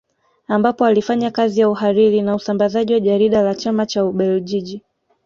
Ambapo alifanya kazi ya uhariri na usambazaji wa jarida la Chama cha Ubeljiji